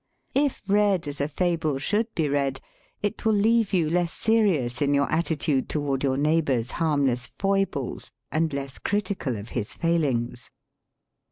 If read as a fable should be read, it will leave you less serious in your attitude toward your neighbor's harmless foibles and less critical of his failings.